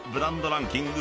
ランキング